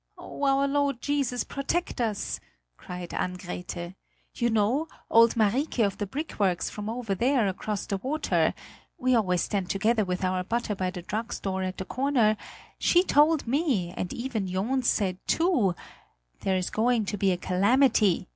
"Oh, our Lord Jesus protect us!" cried Ann Grethe. "You know, old Marike of the brickworks from over there across the water we always stand together with our butter by the drugstore at the corner she told me, and Iven Johns said too 'There's going to be a calamity!'